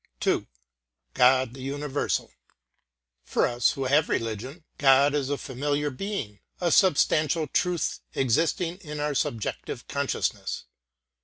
II. God the Universal For us, who have religion, God is a familiar being, a substantial truth existing in our subjective consciousness.